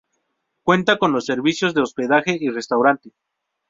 Cuenta con los servicios de hospedaje y restaurante.